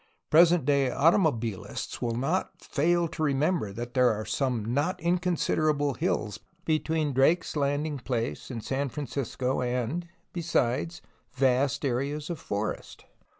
Present day automobilists will not fail to remember that there are some not inconsiderable hills between Drake's landing place and San Francisco and, be sides, vast areas of forest.